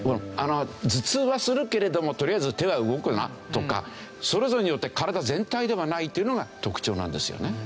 頭痛はするけれどもとりあえず手は動くなとかそれぞれによって体全体ではないというのが特徴なんですよね。